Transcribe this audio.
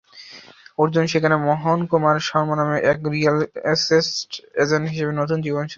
অর্জুন সেখানে মোহন কুমার শর্মা নাম নিয়ে এক রিয়েল এস্টেট এজেন্ট হিসেবে নতুন জীবন শুরু করে।